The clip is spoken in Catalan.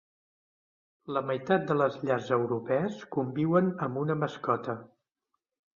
La meitat de les llars europees conviuen amb una mascota.